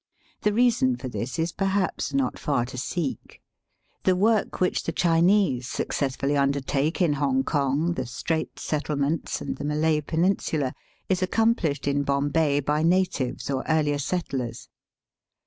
The reason for this is perhaps not far to seek. The work which the Chinese successfully undertake in Hongkong, the Straits Settlements, and the Malay Peninsula, is accomplished in Bombay by natives or earlier settlers.